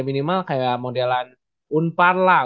minimal kayak modelan unpar lah